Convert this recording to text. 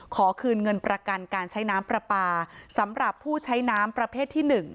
ขอคืนเงินประกันการใช้น้ำปลาปลาสำหรับผู้ใช้น้ำประเภทที่๑